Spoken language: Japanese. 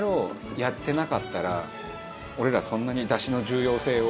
やってなかったら俺らそんなにだしの重要性を。